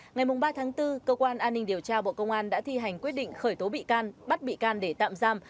ngày ba tháng bốn cơ quan an ninh điều tra bộ công an đã thi hành quyết định khởi tố bị can bắt bị can để tạm giam